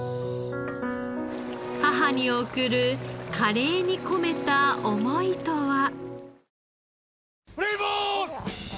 母に贈るカレーに込めた思いとは？